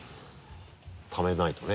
ためないとね